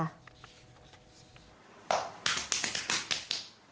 เจ็บไหม